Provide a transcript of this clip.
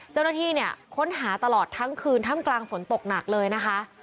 เจ้าหน้าที่เนี่ยค้นหาตลอดทั้งคืนท่ามกลางฝนตกหนักเลยนะคะ